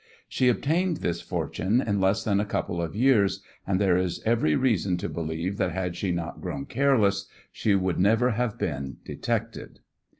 She obtained this fortune in less than a couple of years, and there is every reason to believe that had she not grown careless she would never have been detected.